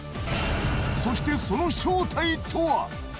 そして、その正体とは？